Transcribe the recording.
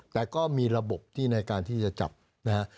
แต่ก็มีระบบที่ในการที่จะจับนะฮะ